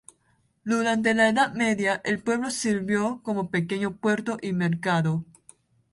Durante la Edad Media el pueblo sirvió como pequeño puerto y mercado.